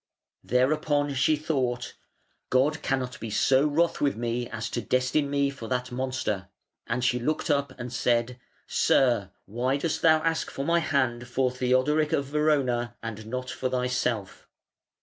Thereupon she thought, "God cannot be so wroth with me as to destine me for that monster". And she looked up and said, "Sir! why dost thou ask for my hand for Theodoric, of Verona, and not for thyself?"